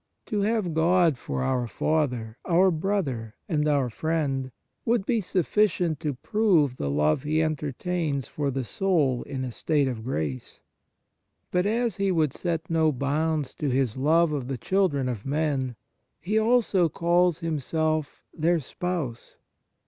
To have God for our Father, our Brother, and our Friend, would be suffi cient to prove the love He entertains for the soul in a state of grace; but, as He would set no bounds to His love of the children of men, He also calls Himself their Spouse.